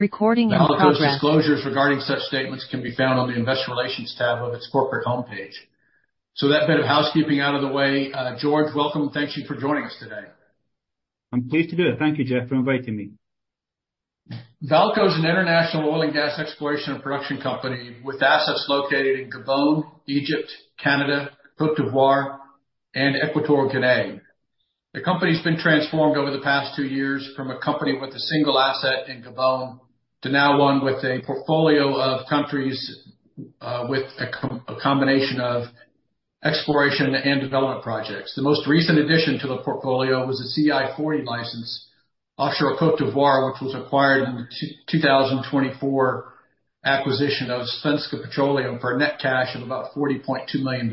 Recording in progress. Now, all of those disclosures regarding such statements can be found on the investor relations tab of its corporate homepage. So that bit of housekeeping out of the way, George, welcome, and thank you for joining us today. I'm pleased to do it. Thank you, Jeff, for inviting me. VAALCO is an international oil and gas exploration and production company, with assets located in Gabon, Egypt, Canada, Côte d'Ivoire, and Equatorial Guinea. The company's been transformed over the past two years from a company with a single asset in Gabon, to now one with a portfolio of countries, with a combination of exploration and development projects. The most recent addition to the portfolio was a CI-40 license, offshore Côte d'Ivoire, which was acquired in the 2024 acquisition of Svenska Petroleum for a net cash of about $40.2 million.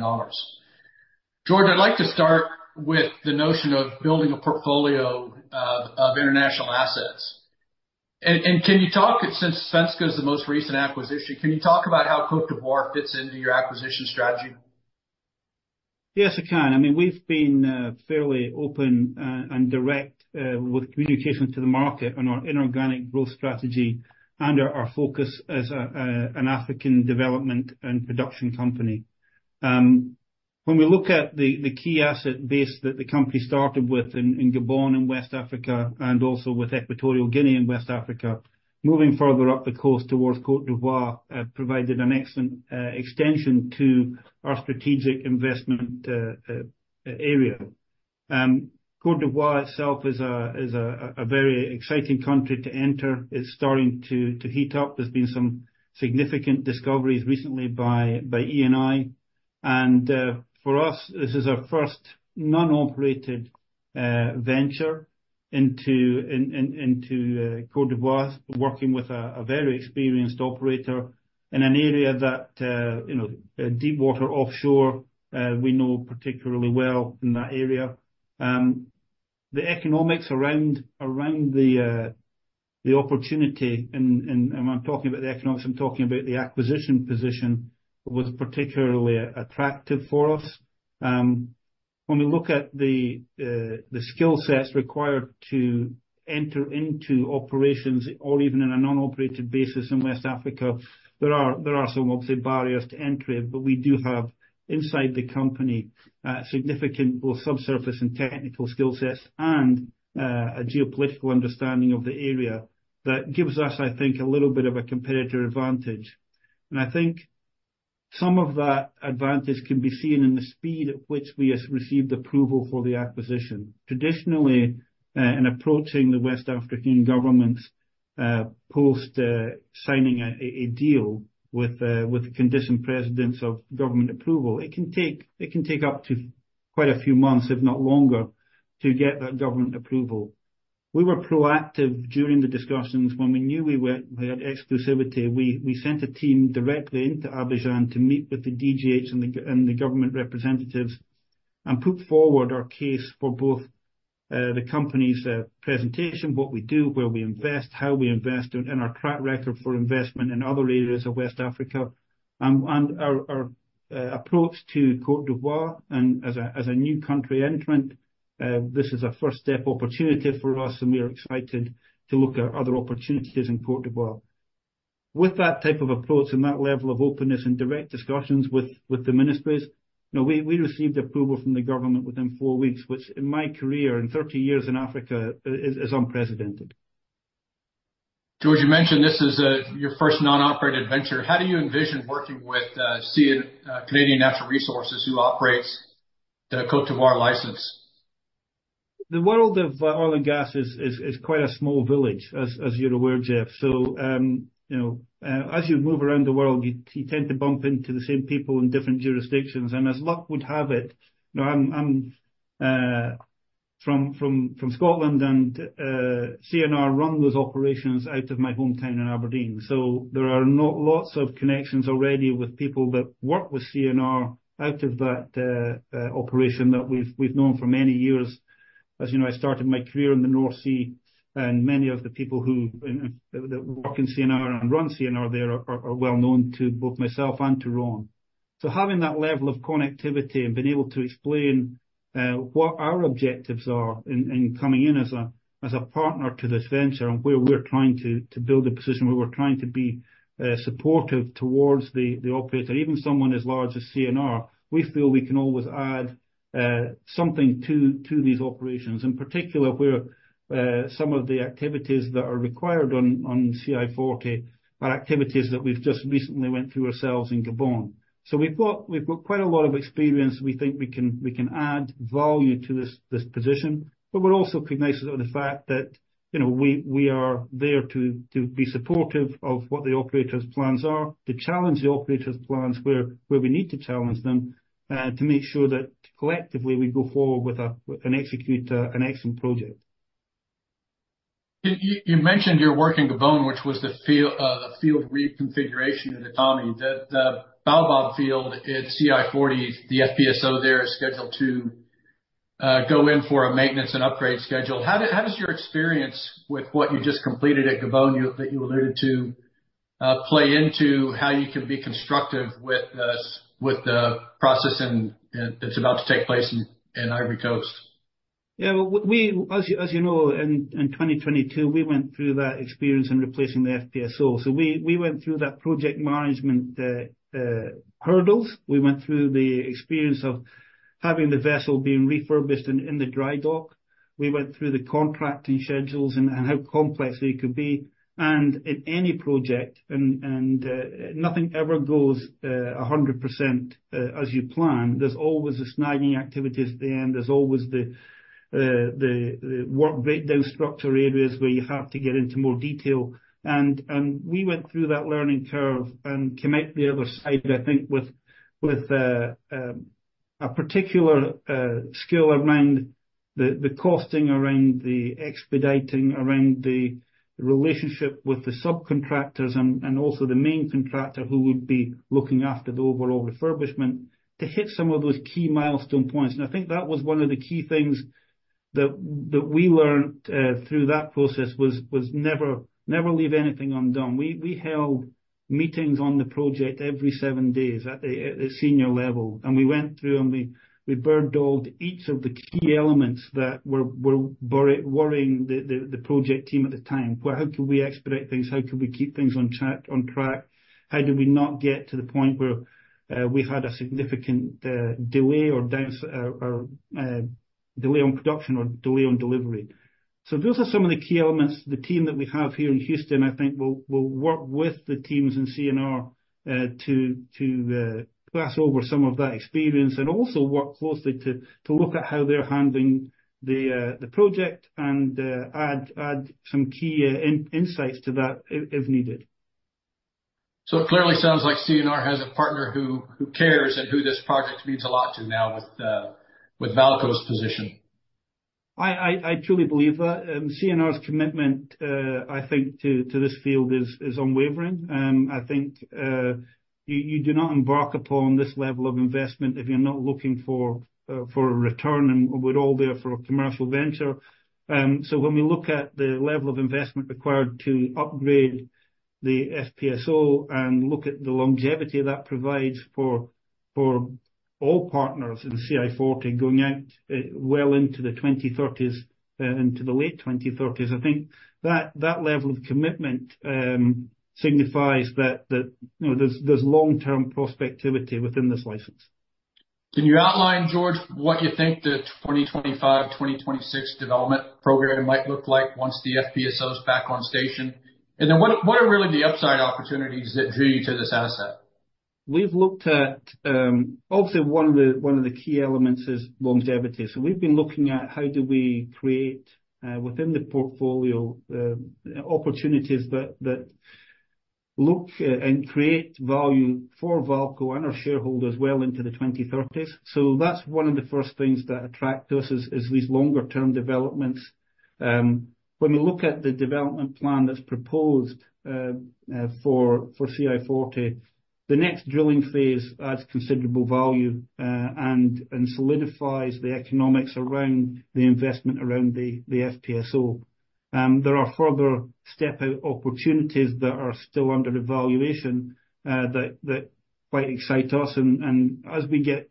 George, I'd like to start with the notion of building a portfolio of international assets. And can you talk, since Svenska is the most recent acquisition, can you talk about how Côte d'Ivoire fits into your acquisition strategy? Yes, I can. I mean, we've been fairly open and direct with communication to the market on our inorganic growth strategy and our focus as an African development and production company. When we look at the key asset base that the company started with in Gabon and West Africa, and also with Equatorial Guinea and West Africa, moving further up the coast towards Côte d'Ivoire provided an excellent extension to our strategic investment area. Côte d'Ivoire itself is a very exciting country to enter. It's starting to heat up. There's been some significant discoveries recently by Eni. And, for us, this is our first non-operated venture into Côte d'Ivoire, working with a very experienced operator in an area that, you know, deep water, offshore, we know particularly well in that area. The economics around the opportunity, and I'm talking about the economics, I'm talking about the acquisition position, was particularly attractive for us. When we look at the skill sets required to enter into operations or even in a non-operated basis in West Africa, there are some, obviously, barriers to entry. But we do have, inside the company, significant, both subsurface and technical skill sets, and a geopolitical understanding of the area that gives us, I think, a little bit of a competitive advantage. I think some of that advantage can be seen in the speed at which we received approval for the acquisition. Traditionally, in approaching the West African governments, post signing a deal with the condition precedent of government approval, it can take up to quite a few months, if not longer, to get that government approval. We were proactive during the discussions. When we knew we had exclusivity, we sent a team directly into Abidjan to meet with the DGH and the government representatives, and put forward our case for both the company's presentation, what we do, where we invest, how we invest, and our track record for investment in other areas of West Africa. And our approach to Côte d'Ivoire, and as a new country entrant, this is a first step opportunity for us, and we are excited to look at other opportunities in Côte d'Ivoire. With that type of approach and that level of openness and direct discussions with the ministries, you know, we received approval from the government within four weeks, which in my career, in 30 years in Africa, is unprecedented. George, you mentioned this is your first non-operated venture. How do you envision working with CN, Canadian Natural Resources, who operates the Côte d'Ivoire license? The world of oil and gas is quite a small village, as you're aware, Jeff. So, you know, as you move around the world, you tend to bump into the same people in different jurisdictions. And as luck would have it, you know, I'm from Scotland, and CNR run those operations out of my hometown in Aberdeen. So there are lots of connections already with people that work with CNR out of that operation that we've known for many years. As you know, I started my career in the North Sea, and many of the people who work in CNR and run CNR there are well known to both myself and to Ron. So having that level of connectivity and being able to explain what our objectives are in coming in as a partner to this venture, and where we're trying to build a position, where we're trying to be supportive towards the operator, even someone as large as CNR, we feel we can always add something to these operations. In particular, where some of the activities that are required on CI-40 are activities that we've just recently went through ourselves in Gabon. So we've got quite a lot of experience. We think we can add value to this position, but we're also cognizant of the fact that, you know, we are there to be supportive of what the operator's plans are, to challenge the operator's plans where we need to challenge them, to make sure that collectively, we go forward with and execute an excellent project. You mentioned you working Gabon, which was the field, the field reconfiguration at Etame. The Baobab field at CI-40, the FPSO there, is scheduled to go in for a maintenance and upgrade schedule. How does your experience with what you just completed at Gabon, that you alluded to, play into how you can be constructive with the process and that's about to take place in Ivory Coast?... Yeah, well, we, as you know, in 2022, we went through that experience in replacing the FPSO. So we went through that project management hurdles. We went through the experience of having the vessel being refurbished in the dry dock. We went through the contracting schedules and how complex they could be. And in any project, nothing ever goes 100% as you plan. There's always the snagging activities at the end. There's always the work breakdown structure areas, where you have to get into more detail. We went through that learning curve and came out the other side, I think, with a particular skill around the costing, around the expediting, around the relationship with the subcontractors and also the main contractor, who would be looking after the overall refurbishment, to hit some of those key milestone points. I think that was one of the key things that we learned through that process was never leave anything undone. We held meetings on the project every seven days at the senior level, and we went through and we bird-dogged each of the key elements that were worrying the project team at the time. Well, how can we expedite things? How can we keep things on track? How do we not get to the point where we've had a significant delay or delay on production or delay on delivery? So those are some of the key elements. The team that we have here in Houston, I think will work with the teams in CNR to pass over some of that experience, and also work closely to look at how they're handling the project, and add some key insights to that, if needed. It clearly sounds like CNR has a partner who cares and who this project means a lot to now with VAALCO's position. I truly believe that. CNR's commitment, I think, to this field is unwavering. I think, you do not embark upon this level of investment if you're not looking for a return, and we're all there for a commercial venture. So when we look at the level of investment required to upgrade the FPSO and look at the longevity that provides for all partners in CI-40, going out, well into the 2030s, into the late 2030s, I think that level of commitment signifies that, you know, there's long-term prospectivity within this license. Can you outline, George, what you think the 2025, 2026 development program might look like once the FPSO is back on station? And then what are really the upside opportunities that drew you to this asset? We've looked at. Obviously, one of the key elements is longevity. So we've been looking at how do we create within the portfolio opportunities that look and create value for VAALCO and our shareholders well into the 2030s. So that's one of the first things that attract us, these longer term developments. When we look at the development plan that's proposed for CI-40, the next drilling phase adds considerable value and solidifies the economics around the investment around the FPSO. There are further step-out opportunities that are still under evaluation that quite excite us. As we get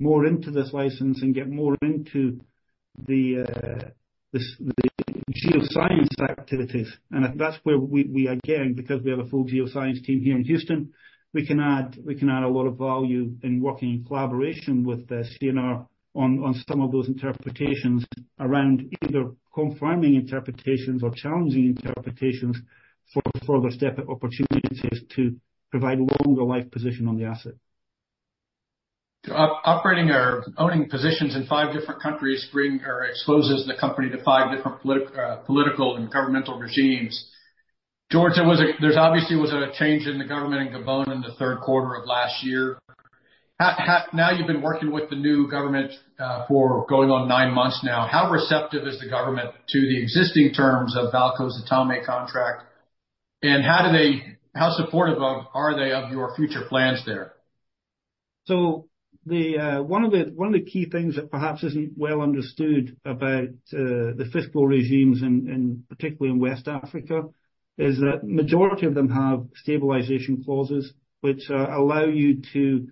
more into this license and get more into the geoscience activities, and that's where we are again, because we have a full geoscience team here in Houston, we can add a lot of value in working in collaboration with the CNR on some of those interpretations around either confirming interpretations or challenging interpretations for further step-out opportunities to provide a longer life position on the asset. Operating or owning positions in five different countries bring or exposes the company to five different political and governmental regimes. George, there was a... There's obviously was a change in the government in Gabon in the third quarter of last year. Now, you've been working with the new government, for going on nine months now, how receptive is the government to the existing terms of VAALCO's Etame contract, and how supportive of, are they of your future plans there? So one of the key things that perhaps isn't well understood about the fiscal regimes in, particularly in West Africa, is that majority of them have stabilization clauses, which allow you to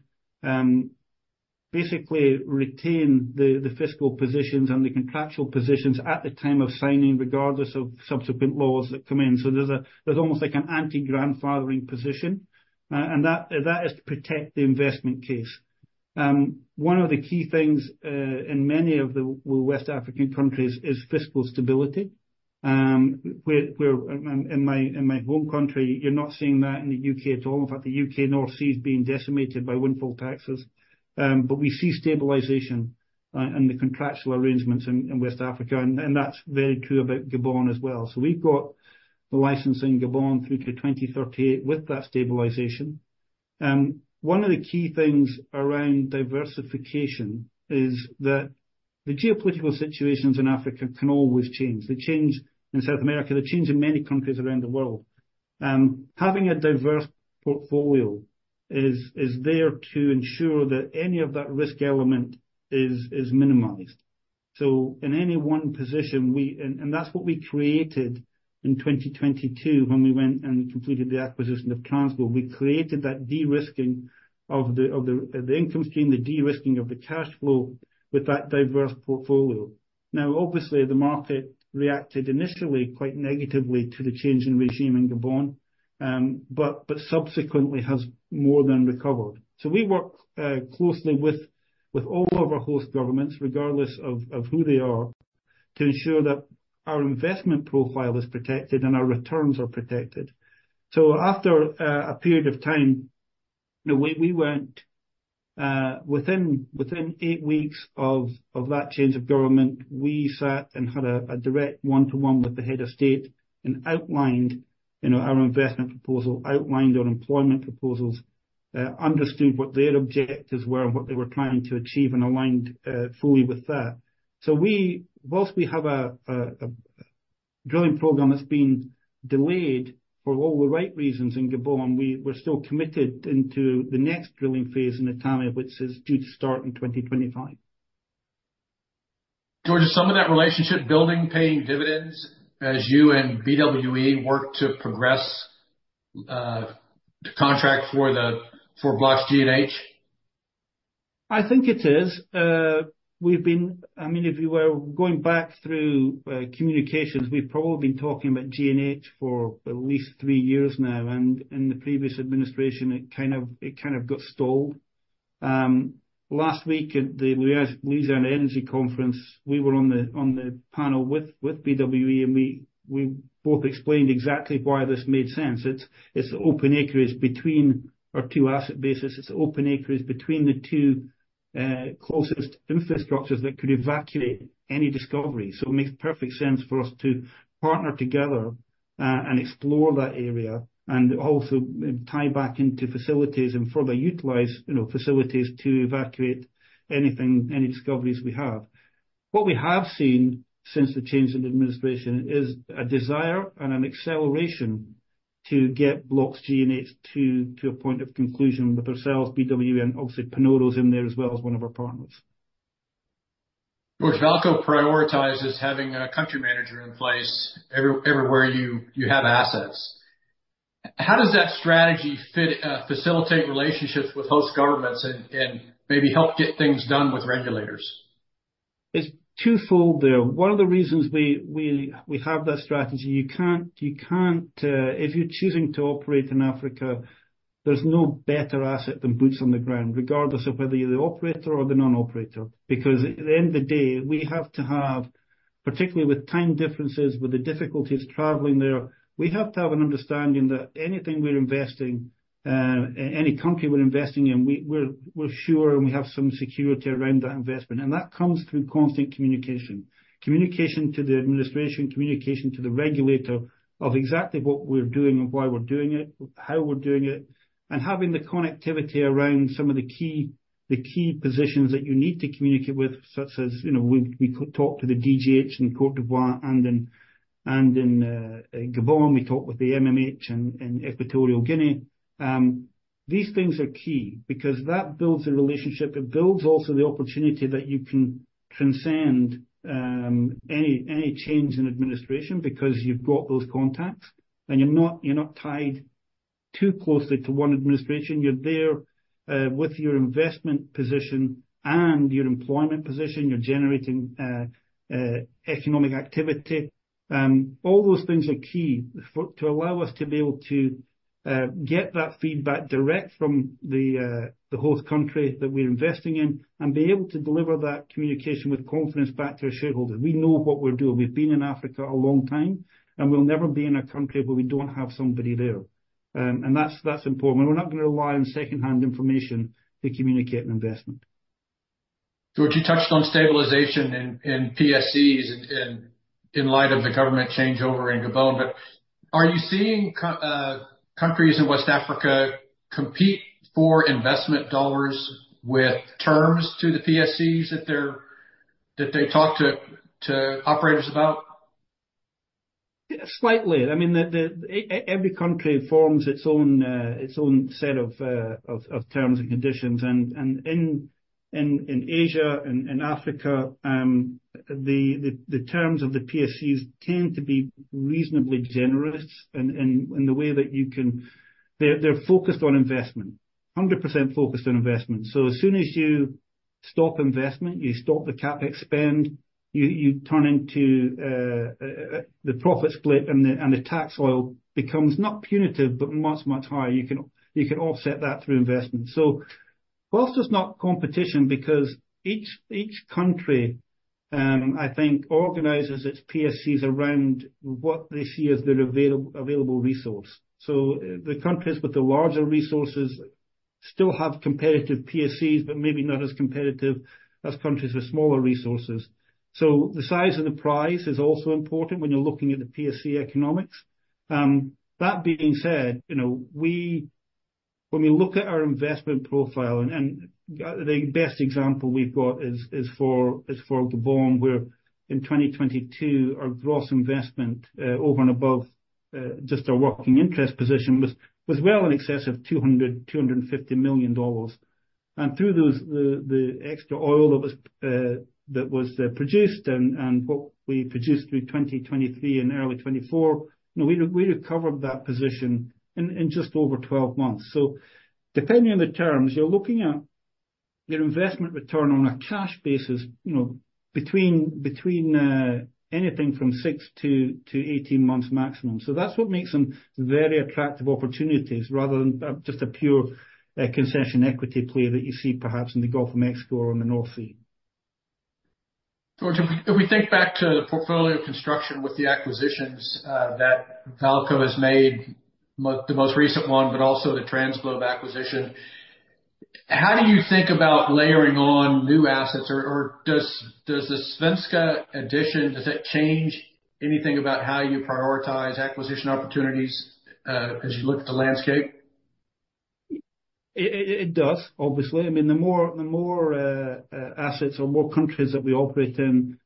basically retain the fiscal positions and the contractual positions at the time of signing, regardless of subsequent laws that come in. So there's almost like an anti-grandfathering position, and that is to protect the investment case. One of the key things in many of the West African countries is fiscal stability where in my home country, you're not seeing that in the UK at all. In fact, the UK North Sea is being decimated by windfall taxes. But we see stabilization and the contractual arrangements in West Africa, and that's very true about Gabon as well. So we've got the license in Gabon through to 2038 with that stabilization. One of the key things around diversification is that the geopolitical situations in Africa can always change. They change in South America, they change in many countries around the world. Having a diverse portfolio is there to ensure that any of that risk element is minimized. So in any one position, we, and that's what we created in 2022, when we went and completed the acquisition of TransGlobe. We created that de-risking of the income stream, the de-risking of the cash flow, with that diverse portfolio. Now, obviously, the market reacted initially quite negatively to the change in regime in Gabon, but, but subsequently has more than recovered. So we work closely with all of our host governments, regardless of who they are, to ensure that our investment profile is protected and our returns are protected. So after a period of time, you know, we went within 8 weeks of that change of government, we sat and had a direct one-to-one with the head of state, and outlined, you know, our investment proposal, outlined our employment proposals, understood what their objectives were and what they were trying to achieve, and aligned fully with that. So whilst we have a drilling program that's been delayed for all the right reasons in Gabon, we're still committed into the next drilling phase in Etame, which is due to start in 2025. George, is some of that relationship building paying dividends, as you and BWE work to progress the contract for Blocks G and H? I think it is. We've been... I mean, if you were going back through communications, we've probably been talking about G and H for at least three years now, and in the previous administration, it kind of, it kind of got stalled. Last week at the Louisiana Energy Conference, we were on the panel with BWE, and we both explained exactly why this made sense. It's open acreage between our two asset bases. It's open acreage between the two closest infrastructures that could evacuate any discovery. So it makes perfect sense for us to partner together and explore that area, and also tie back into facilities and further utilize, you know, facilities to evacuate anything, any discoveries we have. What we have seen since the change in administration, is a desire and an acceleration to get Blocks G and H to a point of conclusion with ourselves, BWE, and obviously Panoro's in there as well, as one of our partners. George, VAALCO prioritizes having a country manager in place everywhere you have assets. How does that strategy fit, facilitate relationships with host governments and maybe help get things done with regulators? It's two fold there. One of the reasons we have that strategy, you can't if you're choosing to operate in Africa, there's no better asset than boots on the ground, regardless of whether you're the operator or the non-operator, because at the end of the day, we have to have, particularly with time differences, with the difficulties traveling there, we have to have an understanding that anything we're investing in any country we're investing in, we're sure, and we have some security around that investment. And that comes through constant communication. Communication to the administration, communication to the regulator, of exactly what we're doing and why we're doing it, how we're doing it, and having the connectivity around some of the key positions that you need to communicate with, such as, you know, we could talk to the DGH in Côte d'Ivoire and in Gabon, we talk with the MMH in Equatorial Guinea. These things are key, because that builds a relationship. It builds also the opportunity that you can transcend any change in administration, because you've got those contacts, and you're not tied too closely to one administration. You're there, with your investment position and your employment position, you're generating economic activity. All those things are key to allow us to be able to get that feedback direct from the host country that we're investing in, and be able to deliver that communication with confidence back to our shareholders. We know what we're doing. We've been in Africa a long time, and we'll never be in a country where we don't have somebody there. That's important. We're not gonna rely on secondhand information to communicate an investment. George, you touched on stabilization in PSCs, in light of the government changeover in Gabon, but are you seeing countries in West Africa compete for investment dollars with terms to the PSCs that they're, that they talk to, to operators about? Yeah, slightly. I mean, every country forms its own set of terms and conditions, and in Asia and Africa, the terms of the PSCs tend to be reasonably generous in the way that you can... They're focused on investment, 100% focused on investment. So as soon as you stop investment, you stop the cap spend, you turn into the profit split, and the tax oil becomes not punitive, but much higher. You can offset that through investment. So whilst it's not competition, because each country, I think, organizes its PSCs around what they see as their available resource. So, the countries with the larger resources still have competitive PSCs, but maybe not as competitive as countries with smaller resources. So the size and the price is also important when you're looking at the PSC economics. That being said, you know, when we look at our investment profile, and, the best example we've got is for Gabon, where in 2022, our gross investment, over and above just our working interest position was well in excess of $250 million. And through those, the extra oil that was produced and what we produced through 2023 and early 2024, you know, we recovered that position in just over 12 months. So depending on the terms, you're looking at your investment return on a cash basis, you know, between anything from 6-18 months maximum. So that's what makes them very attractive opportunities, rather than just a pure concession equity play that you see perhaps in the Gulf of Mexico or on the North Sea. George, if we think back to the portfolio construction with the acquisitions that VAALCO has made, the most recent one, but also the TransGlobe acquisition, how do you think about layering on new assets? Or does the Svenska addition change anything about how you prioritize acquisition opportunities as you look at the landscape? It does, obviously. I mean, the more assets or more countries that we operate in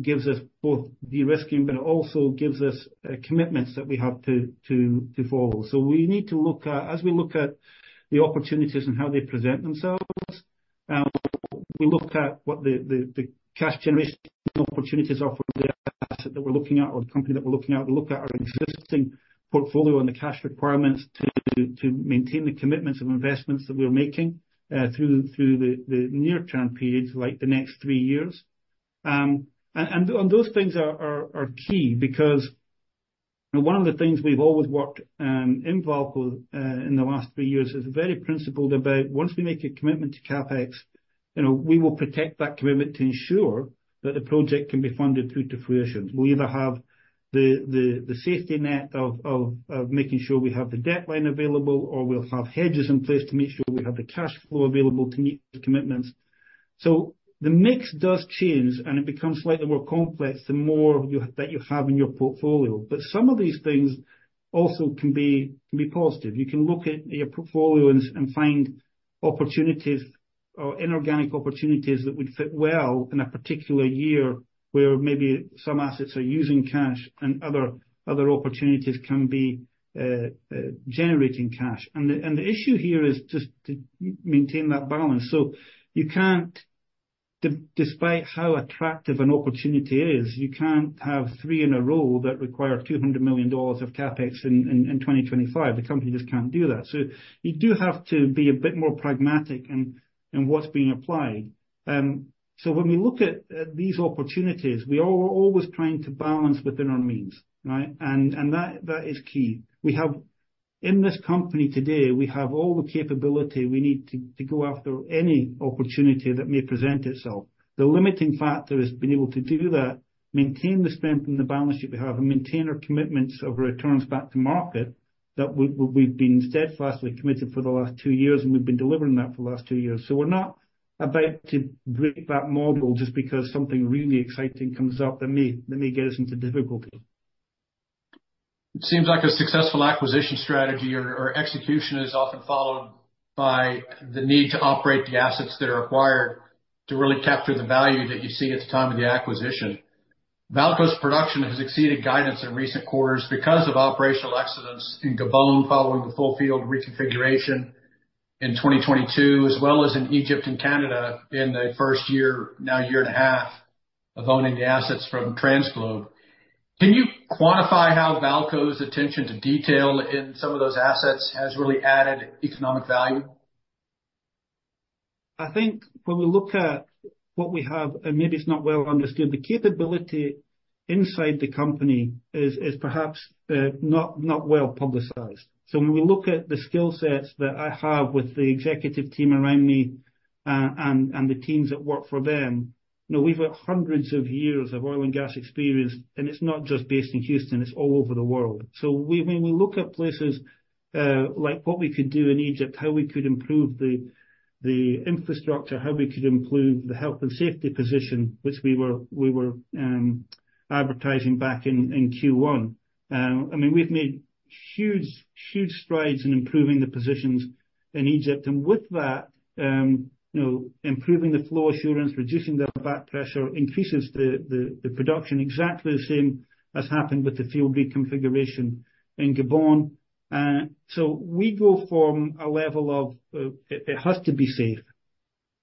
gives us both de-risking, but it also gives us commitments that we have to follow. So we need to look at... As we look at the opportunities and how they present themselves, we look at what the cash generation opportunities are for the asset that we're looking at or the company that we're looking at. We look at our existing portfolio and the cash requirements to maintain the commitments of investments that we are making through the near-term periods, like the next three years. And those things are key, because one of the things we've always worked in VAALCO in the last three years is very principled about once we make a commitment to CapEx, you know, we will protect that commitment to ensure that the project can be funded through to fruition. We either have the safety net of making sure we have the debt line available, or we'll have hedges in place to make sure we have the cash flow available to meet the commitments. So the mix does change, and it becomes slightly more complex the more that you have in your portfolio. But some of these things also can be positive. You can look at your portfolio and, and find opportunities or inorganic opportunities that would fit well in a particular year, where maybe some assets are using cash and other, other opportunities can be, generating cash. And the, and the issue here is just to maintain that balance. So you can't, despite how attractive an opportunity is, you can't have three in a row that require $200 million of CapEx in 2025. The company just can't do that. So you do have to be a bit more pragmatic in what's being applied. So when we look at these opportunities, we are always trying to balance within our means, right? And that, that is key. We have, in this company today, we have all the capability we need to go after any opportunity that may present itself. The limiting factor has been able to do that, maintain the strength and the balance sheet we have, and maintain our commitments of returns back to market, that we, we've been steadfastly committed for the last 2 years, and we've been delivering that for the last 2 years. So we're not about to break that model just because something really exciting comes up that may get us into difficulty. It seems like a successful acquisition strategy or execution is often followed by the need to operate the assets that are acquired to really capture the value that you see at the time of the acquisition. VAALCO's production has exceeded guidance in recent quarters because of operational excellence in Gabon, following the full field reconfiguration in 2022, as well as in Egypt and Canada in the first year, now year and a half, of owning the assets from TransGlobe. Can you quantify how VAALCO's attention to detail in some of those assets has really added economic value? I think when we look at what we have, and maybe it's not well understood, the capability inside the company is perhaps not well-publicized. So when we look at the skill sets that I have with the executive team around me, and the teams that work for them, you know, we've got hundreds of years of oil and gas experience, and it's not just based in Houston, it's all over the world. So when we look at places like what we could do in Egypt, how we could improve the infrastructure, how we could improve the health and safety position, which we were advertising back in Q1. I mean, we've made huge, huge strides in improving the positions in Egypt, and with that, you know, improving the flow assurance, reducing the back pressure, increases the production, exactly the same as happened with the field reconfiguration in Gabon. So we go from a level of, it has to be safe.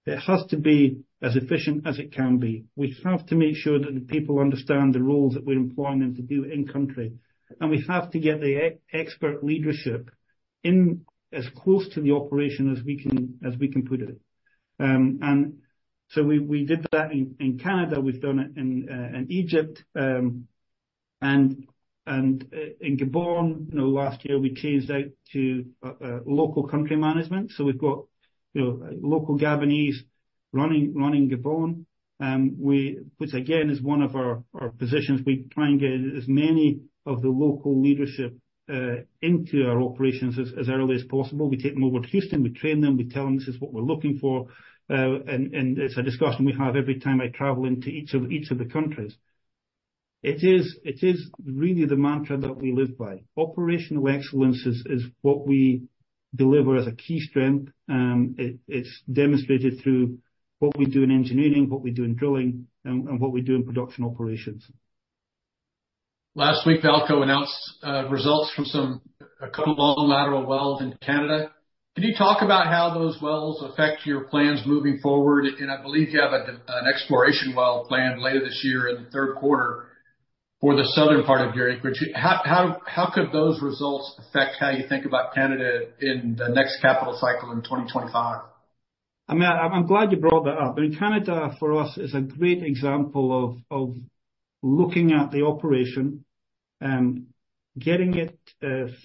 It has to be as efficient as it can be. We have to make sure that the people understand the roles that we're employing them to do in country. And we have to get the expert leadership in as close to the operation as we can, as we can put it. And so we did that in Canada. We've done it in Egypt, and in Gabon, you know, last year, we changed out to local country management. So we've got, you know, local Gabonese running Gabon. Which again is one of our positions, we try and get as many of the local leadership into our operations as early as possible. We take them over to Houston, we train them, we tell them this is what we're looking for, and it's a discussion we have every time I travel into each of the countries. It is really the mantra that we live by. Operational excellence is what we deliver as a key strength. It's demonstrated through what we do in engineering, what we do in drilling, and what we do in production operations. Last week, VAALCO announced results from a couple of lateral wells in Canada. Can you talk about how those wells affect your plans moving forward? And I believe you have an exploration well planned later this year in the third quarter for the southern part of Gabon. How could those results affect how you think about Canada in the next capital cycle in 2025? I mean, I'm glad you brought that up, and Canada, for us, is a great example of looking at the operation and getting it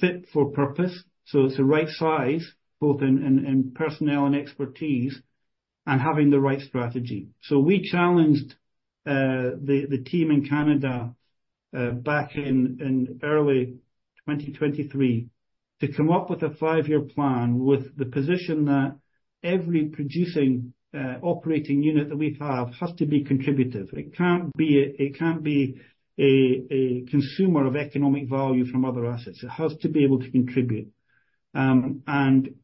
fit for purpose, so it's the right size, both in personnel and expertise, and having the right strategy. So we challenged the team in Canada back in early 2023 to come up with a five-year plan, with the position that every producing operating unit that we have has to be contributive. It can't be a consumer of economic value from other assets. It has to be able to contribute. And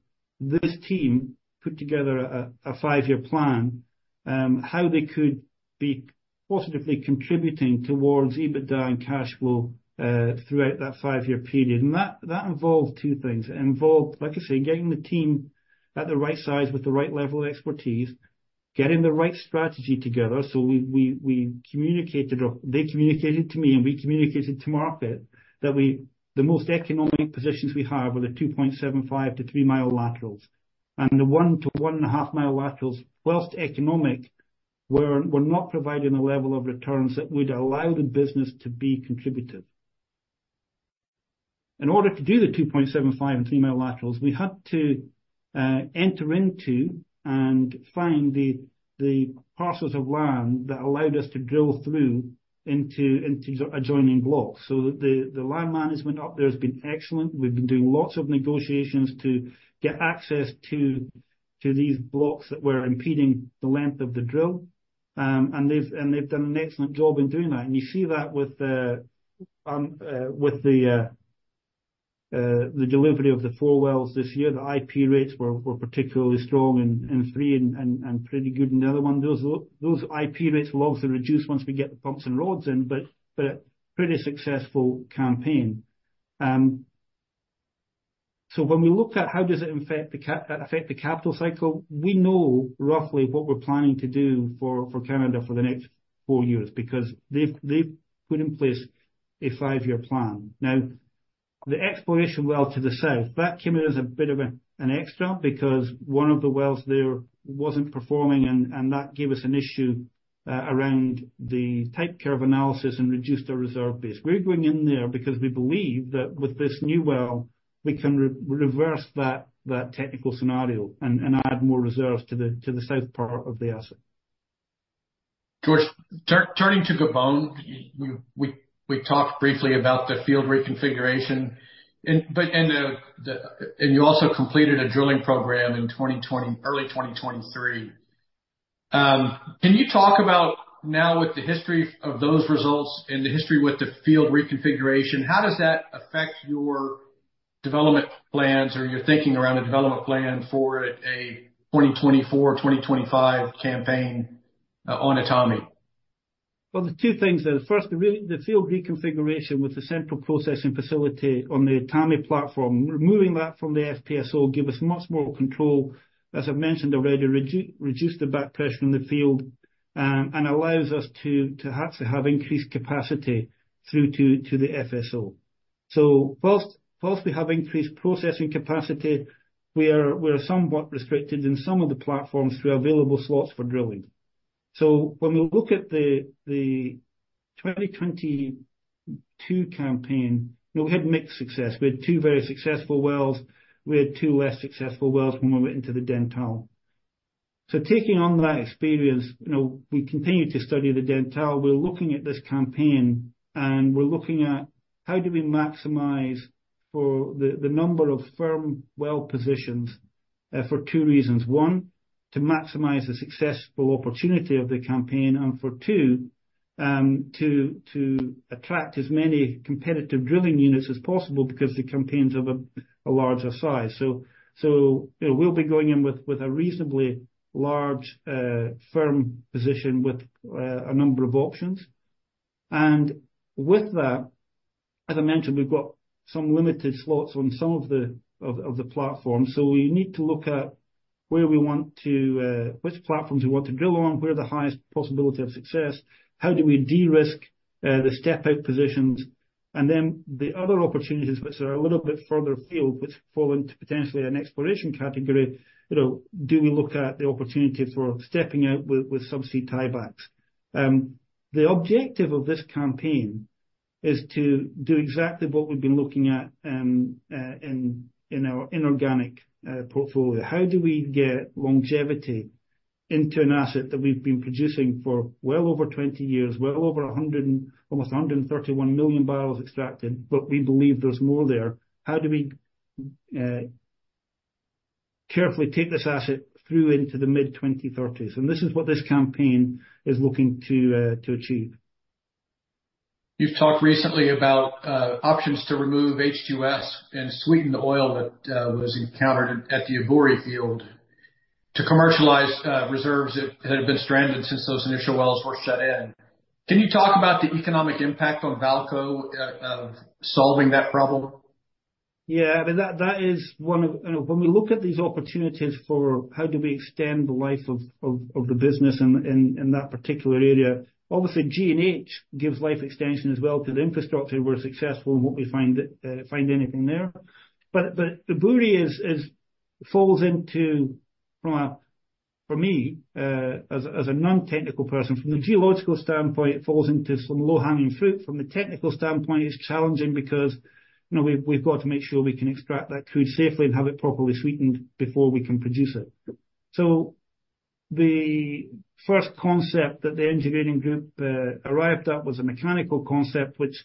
this team put together a five-year plan how they could be positively contributing towards EBITDA and cash flow throughout that five-year period, and that involved two things. It involved, like I say, getting the team at the right size with the right level of expertise, getting the right strategy together. So we communicated, or they communicated to me, and we communicated to market, that we, the most economic positions we have were the 2.75-3-mile laterals. And the 1-1.5-mile laterals, whilst economic, were not providing the level of returns that would allow the business to be contributive. In order to do the 2.75- and 3-mile laterals, we had to enter into and find the parcels of land that allowed us to drill through into adjoining blocks. So the land management up there has been excellent. We've been doing lots of negotiations to get access to these blocks that were impeding the length of the drill. And they've done an excellent job in doing that, and you see that with the delivery of the four wells this year. The IP rates were particularly strong in three and pretty good in the other one. Those IP rates will obviously reduce once we get the pumps and rods in, but a pretty successful campaign. So when we looked at how does it affect the capital cycle, we know roughly what we're planning to do for Canada for the next four years, because they've put in place a five-year plan. Now, the exploration well to the south, that came in as a bit of a, an extra, because one of the wells there wasn't performing, and that gave us an issue around the type curve analysis and reduced our reserve base. We're going in there because we believe that with this new well, we can re-reverse that technical scenario and add more reserves to the south part of the asset. George, turning to Gabon, we talked briefly about the field reconfiguration. But you also completed a drilling program in 2020, early 2023. Can you talk about now, with the history of those results and the history with the field reconfiguration, how does that affect your development plans or your thinking around a development plan for a 2024, 2025 campaign on Etame? Well, there's two things there. First, the field reconfiguration with the central processing facility on the Etame platform, removing that from the FPSO, give us much more control. As I've mentioned already, reduce the back pressure in the field, and allows us to have increased capacity through to the FSO. So whilst we have increased processing capacity, we are somewhat restricted in some of the platforms through available slots for drilling. So when we look at the 2022 campaign, you know, we had mixed success. We had two very successful wells, we had two less successful wells when we went into the Dentale. So taking on that experience, you know, we continue to study the Dentale. We're looking at this campaign, and we're looking at how do we maximize for the number of firm well positions for two reasons. One, to maximize the successful opportunity of the campaign, and for two, to attract as many competitive drilling units as possible, because the campaign's of a larger size. So we'll be going in with a reasonably large firm position with a number of options. And with that, as I mentioned, we've got some limited slots on some of the platforms. So we need to look at where we want to, which platforms we want to drill on, where are the highest possibility of success, how do we de-risk the step-out positions? And then the other opportunities which are a little bit further afield, which fall into potentially an exploration category, you know, do we look at the opportunity for stepping out with sub-sea tiebacks? The objective of this campaign is to do exactly what we've been looking at in our inorganic portfolio. How do we get longevity into an asset that we've been producing for well over 20 years, well over a hundred and... Almost 131 million barrels extracted, but we believe there's more there. How do we carefully take this asset through into the mid-2030s? And this is what this campaign is looking to achieve. ... You've talked recently about options to remove H2S and sweetened oil that was encountered at the Ebouri field to commercialize reserves that had been stranded since those initial wells were shut in. Can you talk about the economic impact on VAALCO solving that problem? Yeah, I mean, that is one of— You know, when we look at these opportunities for how we extend the life of the business in that particular area, obviously, G and H gives life extension as well to the infrastructure, if we're successful in what we find there. But Ebouri falls into, for me, as a non-technical person, from a geological standpoint, it falls into some low-hanging fruit. From a technical standpoint, it's challenging because, you know, we've got to make sure we can extract that crude safely and have it properly sweetened before we can produce it. So the first concept that the engineering group arrived at was a mechanical concept, which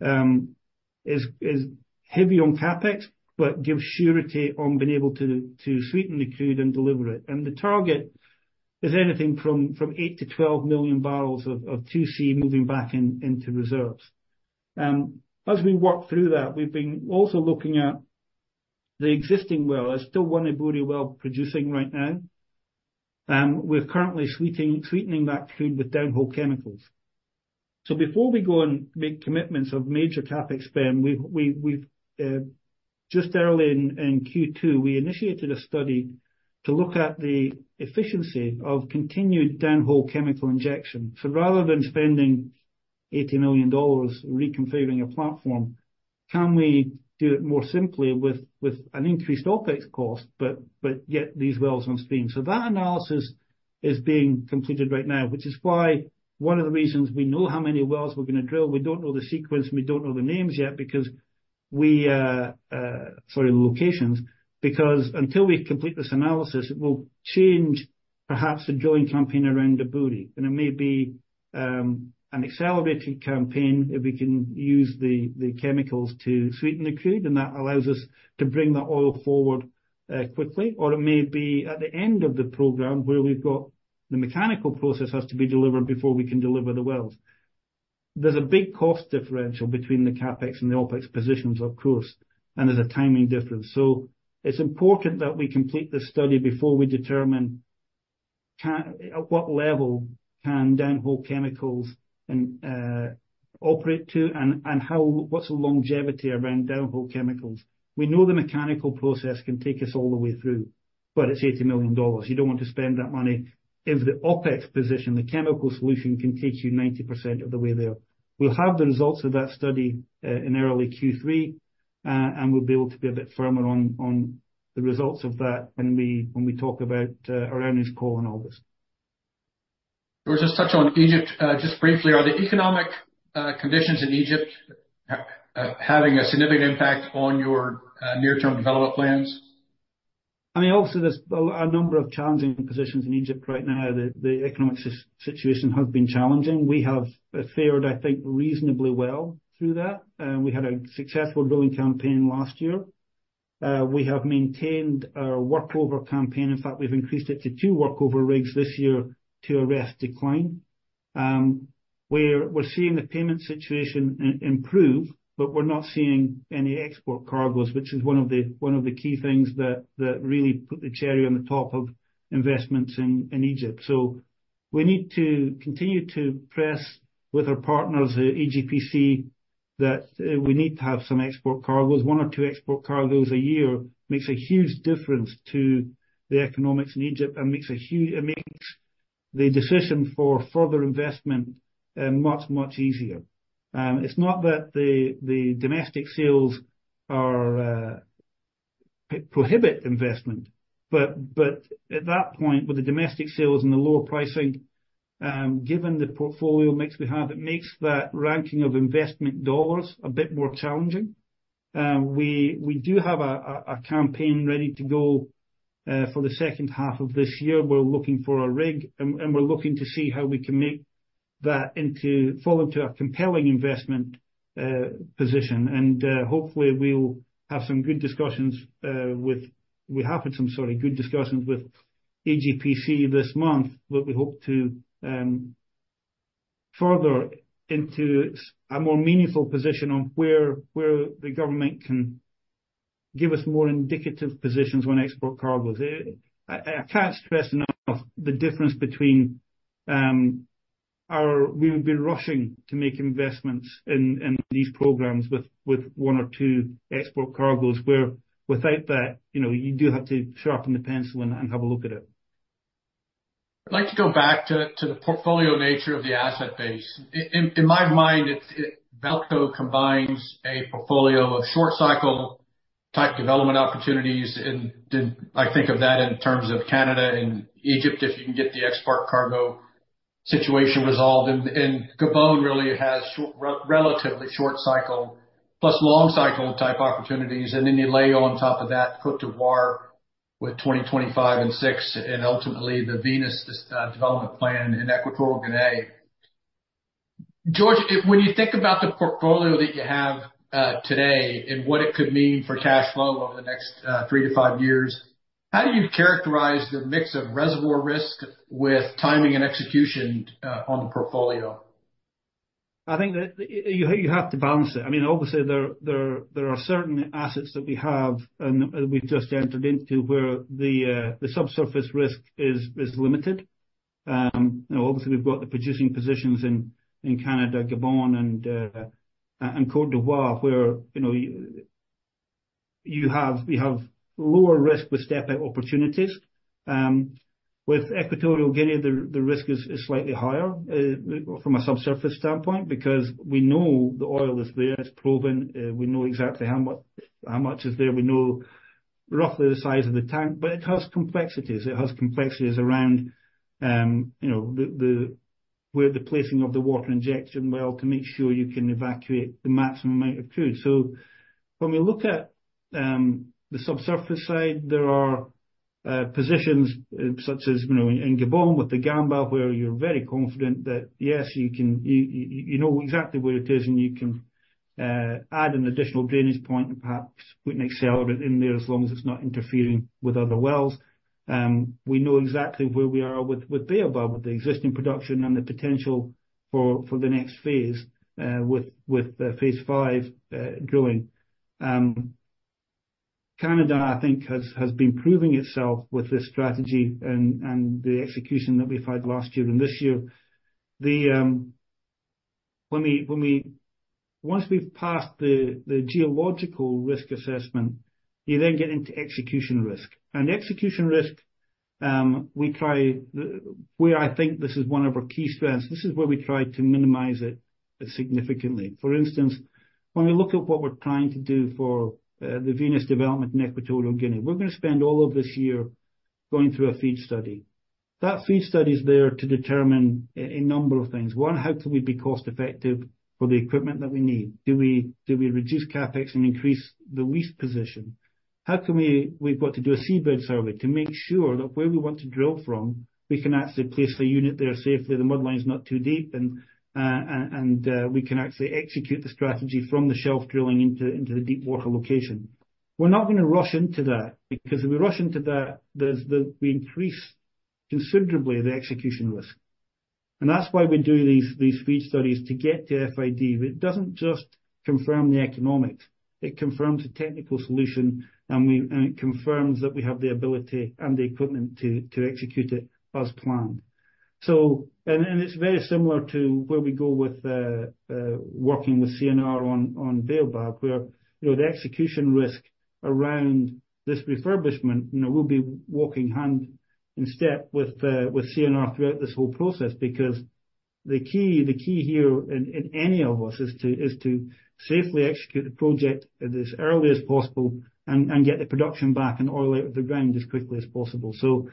is heavy on CapEx, but gives surety on being able to sweeten the crude and deliver it. The target is anything from 8-12 million barrels of 2C moving back into reserves. As we work through that, we've been also looking at the existing well. There's still one Ebouri well producing right now, we're currently sweetening that crude with downhole chemicals. Before we go and make commitments of major CapEx spend, we've just early in Q2 initiated a study to look at the efficiency of continued downhole chemical injection. So rather than spending $80 million reconfiguring a platform, can we do it more simply with an increased OpEx cost, but get these wells on stream? So that analysis is being completed right now, which is why one of the reasons we know how many wells we're gonna drill, we don't know the sequence, and we don't know the names yet, because we locations. Because until we complete this analysis, it will change perhaps the drilling campaign around Ebouri. And it may be an accelerated campaign if we can use the chemicals to sweeten the crude, and that allows us to bring the oil forward quickly. Or it may be at the end of the program, where we've got the mechanical process has to be delivered before we can deliver the wells. There's a big cost differential between the CapEx and the OpEx positions, of course, and there's a timing difference. So it's important that we complete this study before we determine at what level downhole chemicals can operate to, and what's the longevity around downhole chemicals? We know the mechanical process can take us all the way through, but it's $80 million. You don't want to spend that money if the OpEx position, the chemical solution, can take you 90% of the way there. We'll have the results of that study in early Q3, and we'll be able to be a bit firmer on the results of that when we talk about our earnings call in August. George, just touch on Egypt, just briefly. Are the economic conditions in Egypt having a significant impact on your near-term development plans? I mean, obviously, there's a number of challenging positions in Egypt right now. The economic situation has been challenging. We have fared, I think, reasonably well through that. We had a successful drilling campaign last year. We have maintained our workover campaign. In fact, we've increased it to two workover rigs this year to arrest decline. We're seeing the payment situation improve, but we're not seeing any export cargoes, which is one of the key things that really put the cherry on the top of investments in Egypt. So we need to continue to press with our partners, EGPC, that we need to have some export cargoes. One or two export cargoes a year makes a huge difference to the economics in Egypt and it makes the decision for further investment much, much easier. It's not that the domestic sales are prohibit investment, but at that point, with the domestic sales and the lower pricing, given the portfolio mix we have, it makes that ranking of investment dollars a bit more challenging. We do have a campaign ready to go for the second half of this year. We're looking for a rig, and we're looking to see how we can make that into follow to a compelling investment position. And, hopefully we'll have some good discussions with EGPC this month, but we hope to further into a more meaningful position on where the government can give us more indicative positions on export cargoes. I can't stress enough the difference between our-- We would be rushing to make investments in these programs with one or two export cargoes, where without that, you know, you do have to sharpen the pencil and have a look at it. I'd like to go back to the portfolio nature of the asset base. In my mind, it, VAALCO combines a portfolio of short cycle type development opportunities, and I think of that in terms of Canada and Egypt, if you can get the export cargo situation resolved. And Gabon really has relatively short cycle, plus long cycle type opportunities. And then you layer on top of that Côte d'Ivoire with 2025 and 2026, and ultimately the Venus development plan in Equatorial Guinea. George, when you think about the portfolio that you have today and what it could mean for cash flow over the next three to five years. How do you characterize the mix of reservoir risk with timing and execution on the portfolio? I think that you have to balance it. I mean, obviously, there are certain assets that we have, and we've just entered into, where the subsurface risk is limited. And obviously, we've got the producing positions in Canada, Gabon, and Côte d'Ivoire, where, you know, we have lower risk with step out opportunities. With Equatorial Guinea, the risk is slightly higher from a subsurface standpoint, because we know the oil is there. It's proven. We know exactly how much is there. We know roughly the size of the tank, but it has complexities. It has complexities around, you know, the where the placing of the water injection well to make sure you can evacuate the maximum amount of crude. So when we look at the subsurface side, there are positions such as, you know, in Gabon with the Gamba, where you're very confident that yes, you know exactly where it is, and you can add an additional drainage point and perhaps put an accelerant in there as long as it's not interfering with other wells. We know exactly where we are with Uncertain], with the existing production and the potential for the next phase with phase five drilling. Canada, I think, has been proving itself with this strategy and the execution that we've had last year and this year. Once we've passed the geological risk assessment, you then get into execution risk. Execution risk, we try where I think this is one of our key strengths, this is where we try to minimize it significantly. For instance, when we look at what we're trying to do for the Venus development in Equatorial Guinea, we're gonna spend all of this year going through a FEED study. That FEED study is there to determine a number of things. One, how can we be cost effective for the equipment that we need? Do we reduce CapEx and increase the lease position? How can we? We've got to do a seabed survey to make sure that where we want to drill from, we can actually place a unit there safely, the mud line's not too deep, and we can actually execute the strategy from the shelf drilling into the deep water location. We're not gonna rush into that, because if we rush into that, we increase considerably the execution risk. And that's why we do these FEED studies to get to FID. It doesn't just confirm the economics, it confirms the technical solution, and it confirms that we have the ability and the equipment to execute it as planned. So it's very similar to where we go with working with CNR on Baobab, where, you know, the execution risk around this refurbishment, you know, we'll be walking hand in hand with CNR throughout this whole process, because the key, the key here in any of these is to safely execute the project as early as possible and get the production back and oil out of the ground as quickly as possible. So,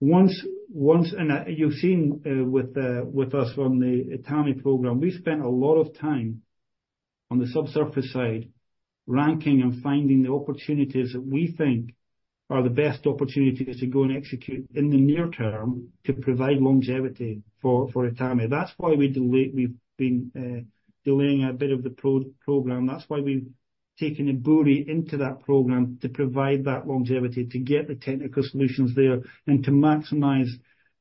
once you've seen with us on the Etame program, we spent a lot of time on the subsurface side, ranking and finding the opportunities that we think are the best opportunities to go and execute in the near term to provide longevity for Etame. That's why we've been delaying a bit of the program. That's why we've taken Ebouri into that program to provide that longevity, to get the technical solutions there, and to maximize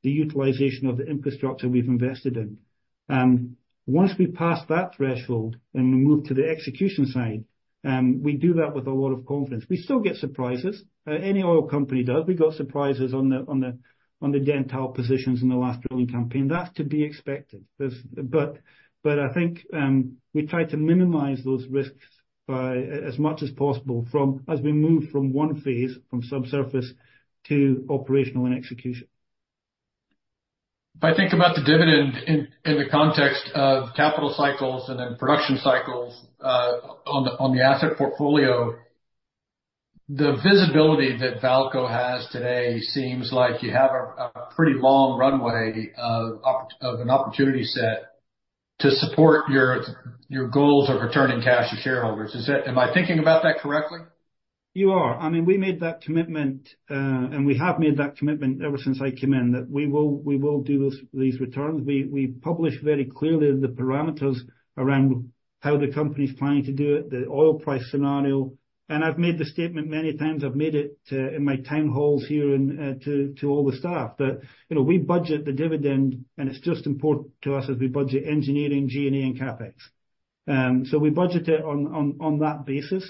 the utilization of the infrastructure we've invested in. Once we pass that threshold, and we move to the execution side, we do that with a lot of confidence. We still get surprises. Any oil company does. We got surprises on the Dentale positions in the last drilling campaign. That's to be expected. But I think we try to minimize those risks by, as much as possible, as we move from one phase, from subsurface to operational and execution. If I think about the dividend in, in the context of capital cycles and then production cycles, on the, on the asset portfolio, the visibility that VAALCO has today seems like you have a, a pretty long runway of of an opportunity set to support your, your goals of returning cash to shareholders. Am I thinking about that correctly? You are. I mean, we made that commitment, and we have made that commitment ever since I came in, that we will, we will do those, these returns. We, we published very clearly the parameters around how the company's planning to do it, the oil price scenario, and I've made the statement many times, I've made it, in my town halls here and, to, to all the staff, that, you know, we budget the dividend, and it's just important to us as we budget engineering, G&A, and CapEx. So we budget it on, on, on that basis,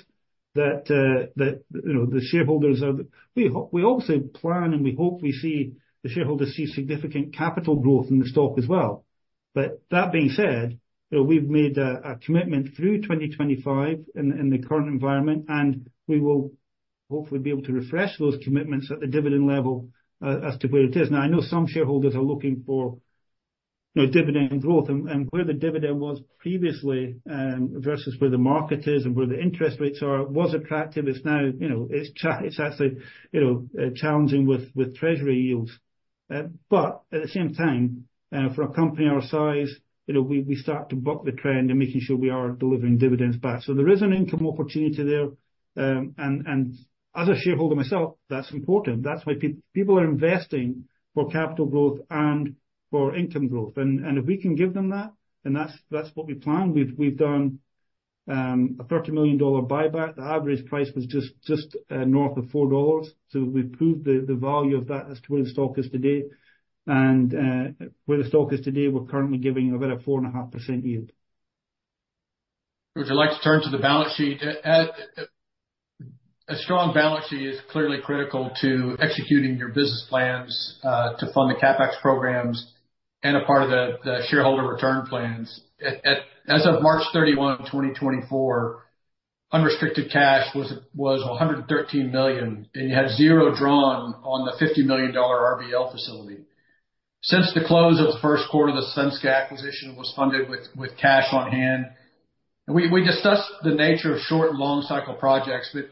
that, that, you know, the shareholders are- we, we also plan, and we hope we see, the shareholders see significant capital growth in the stock as well. But that being said, you know, we've made a commitment through 2025 in the current environment, and we will hopefully be able to refresh those commitments at the dividend level, as to where it is. Now, I know some shareholders are looking for, you know, dividend growth, and where the dividend was previously, versus where the market is and where the interest rates are, was attractive. It's now, you know, it's actually, you know, challenging with treasury yields. But at the same time, for a company our size, you know, we start to buck the trend and making sure we are delivering dividends back. So there is an income opportunity there. And as a shareholder myself, that's important. That's why people are investing for capital growth and for income growth. If we can give them that, then that's what we plan. We've done a $30 million buyback. The average price was just north of $4. So we proved the value of that as to where the stock is today. Where the stock is today, we're currently giving about a 4.5% yield. Would you like to turn to the balance sheet? A strong balance sheet is clearly critical to executing your business plans, to fund the CapEx programs and a part of the shareholder return plans. As of March 31, 2024, unrestricted cash was $113 million, and you had 0 drawn on the $50 million RBL facility. Since the close of the first quarter, the Svenska acquisition was funded with cash on hand. We discussed the nature of short and long cycle projects, but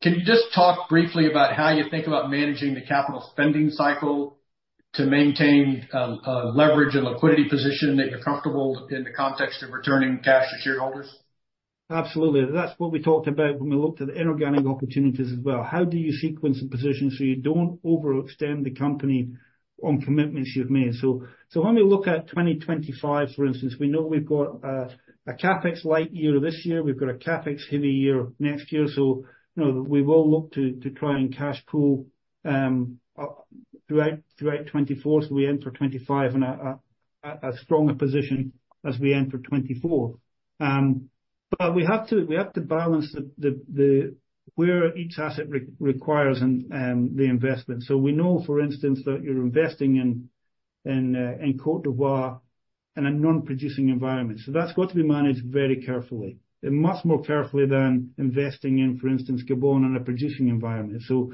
can you just talk briefly about how you think about managing the capital spending cycle to maintain a leverage and liquidity position that you're comfortable in the context of returning cash to shareholders? Absolutely. That's what we talked about when we looked at the inorganic opportunities as well. How do you sequence and position so you don't overextend the company on commitments you've made? So when we look at 2025, for instance, we know we've got a CapEx light year this year. We've got a CapEx heavy year next year, so, you know, we will look to try and cash pool throughout 2024, so we enter 2025 in a stronger position as we enter 2024. But we have to balance where each asset requires the investment. So we know, for instance, that you're investing in Côte d'Ivoire in a non-producing environment. So that's got to be managed very carefully, and much more carefully than investing in, for instance, Gabon, in a producing environment. So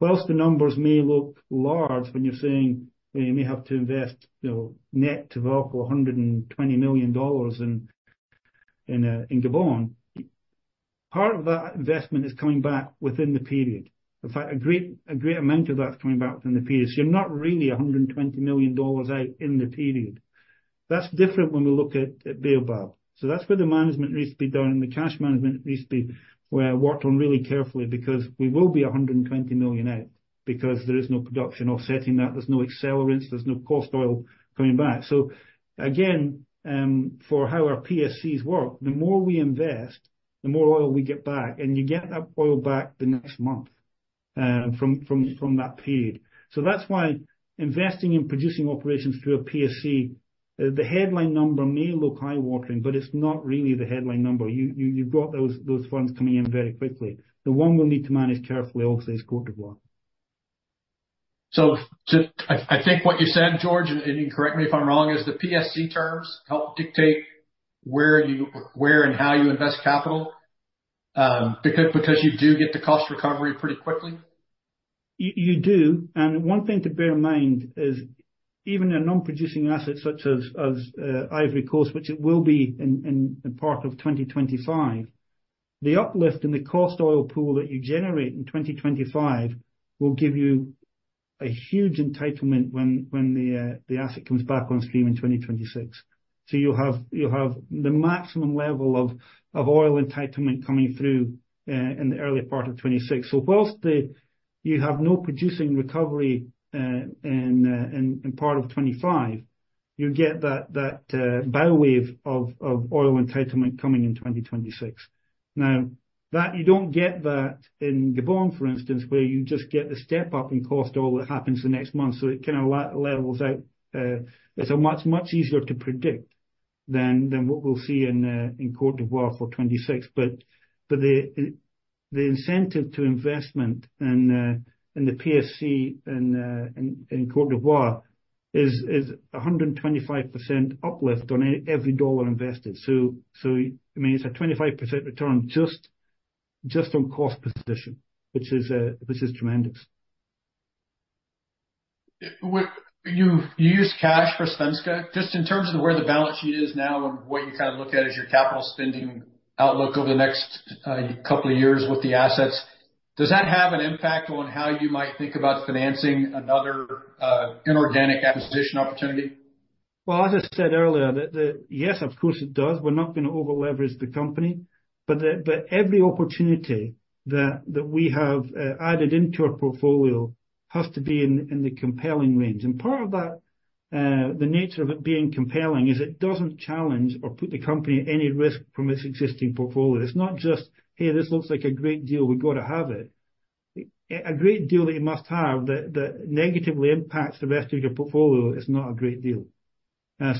whilst the numbers may look large, when you're saying you may have to invest, you know, net to over $120 million in Gabon, part of that investment is coming back within the period. In fact, a great, a great amount of that is coming back within the period. So you're not really $120 million out in the period. That's different when we look at Baobab. So that's where the management needs to be done, and the cash management needs to be worked on really carefully, because we will be $120 million out, because there is no production offsetting that. There's no accelerants, there's no cost oil coming back. So again, for how our PSCs work, the more we invest, the more oil we get back, and you get that oil back the next month, from that period. So that's why investing in producing operations through a PSC, the headline number may look eye-watering, but it's not really the headline number. You've got those funds coming in very quickly. The one we'll need to manage carefully, obviously, is Côte d'Ivoire. So, I think what you said, George, and you correct me if I'm wrong, is the PSC terms help dictate where and how you invest capital, because you do get the cost recovery pretty quickly? You do. One thing to bear in mind is even a non-producing asset such as Ivory Coast, which it will be in part of 2025, the uplift in the cost oil pool that you generate in 2025 will give you a huge entitlement when the asset comes back on stream in 2026. So you'll have the maximum level of oil entitlement coming through in the early part of 2026. So whilst you have no producing recovery in part of 2025, you get that bow wave of oil entitlement coming in 2026. Now, that you don't get that in Gabon, for instance, where you just get the step-up in cost oil that happens the next month, so it kind of levels out. It's a much, much easier to predict than what we'll see in Côte d'Ivoire for 2026. But the incentive to investment in the PSC in Côte d'Ivoire is a 125% uplift on every dollar invested. So, I mean, it's a 25% return just on cost position, which is tremendous. Well, you used cash for Svenska. Just in terms of where the balance sheet is now and what you kind of look at as your capital spending outlook over the next couple of years with the assets, does that have an impact on how you might think about financing another inorganic acquisition opportunity? Well, as I said earlier, that yes, of course it does. We're not gonna over-leverage the company, but every opportunity that we have added into our portfolio has to be in the compelling range. And part of that, the nature of it being compelling is it doesn't challenge or put the company at any risk from its existing portfolio. It's not just, "Hey, this looks like a great deal, we've got to have it." A great deal that you must have that negatively impacts the rest of your portfolio is not a great deal.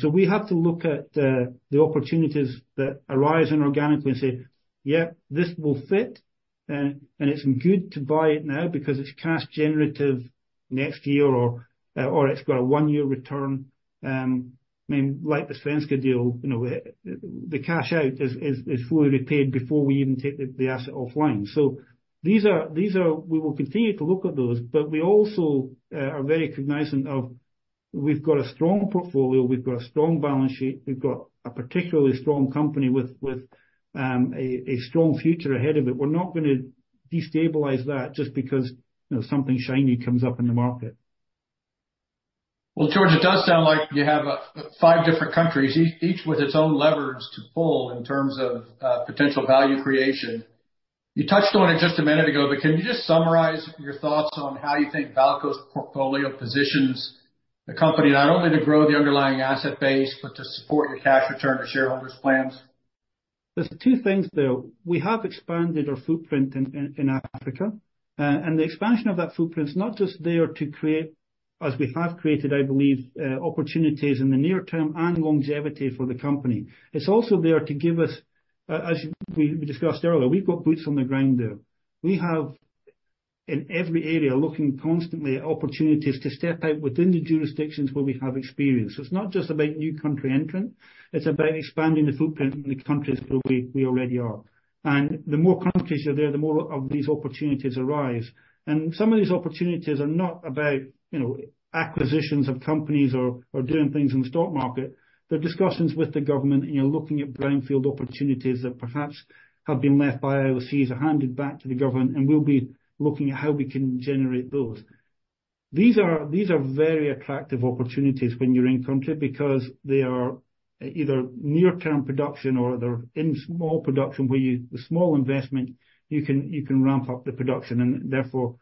So we have to look at the opportunities that arise inorganically and say, "Yep, this will fit, and it's good to buy it now because it's cash generative next year or, or it's got a one-year return." I mean, like the Svenska deal, you know, the cash out is fully repaid before we even take the asset offline. So these are-- We will continue to look at those, but we also are very cognizant of, we've got a strong portfolio, we've got a strong balance sheet, we've got a particularly strong company with a strong future ahead of it. We're not gonna destabilize that just because, you know, something shiny comes up in the market. Well, George, it does sound like you have five different countries, each with its own levers to pull in terms of potential value creation. You touched on it just a minute ago, but can you just summarize your thoughts on how you think VAALCO's portfolio positions the company, not only to grow the underlying asset base, but to support your cash return to shareholders plans? There's two things there. We have expanded our footprint in Africa, and the expansion of that footprint is not just there to create, as we have created, I believe, opportunities in the near term and longevity for the company. It's also there to give us, as we discussed earlier, we've got boots on the ground there. We have, in every area, looking constantly at opportunities to step out within the jurisdictions where we have experience. So it's not just about new country entrant, it's about expanding the footprint in the countries where we already are. And the more countries you're there, the more of these opportunities arise. And some of these opportunities are not about, you know, acquisitions of companies or doing things in the stock market, but discussions with the government, you know, looking at brownfield opportunities that perhaps have been left by IOCs or handed back to the government, and we'll be looking at how we can generate those. These are very attractive opportunities when you're in country, because they are either near-term production or they're in small production, where the small investment, you can ramp up the production and therefore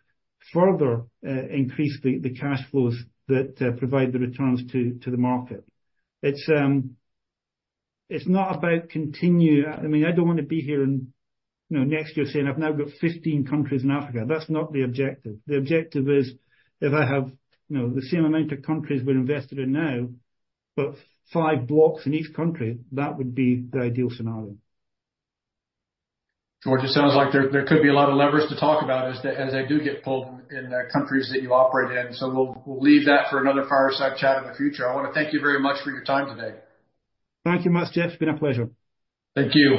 further increase the cash flows that provide the returns to the market. It's not about. I mean, I don't want to be here in, you know, next year saying, "I've now got 15 countries in Africa." That's not the objective. The objective is, if I have, you know, the same amount of countries we're invested in now, but five blocks in each country, that would be the ideal scenario. George, it sounds like there could be a lot of levers to talk about as they do get pulled in countries that you operate in, so we'll leave that for another fireside chat in the future. I want to thank you very much for your time today. Thank you, Jeff. It's been a pleasure. Thank you.